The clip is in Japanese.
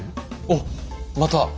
おっまた！